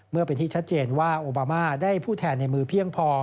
เมื่อเป็นที่ชัดเจนว่าโอบามาได้ผู้แทนในมือเพียงพอ